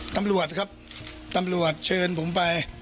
ตำรวจครับตำรวจเชิญผมไป